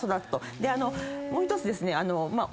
でもう１つですね。